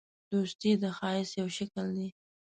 دوستي د ښایست یو شکل دی.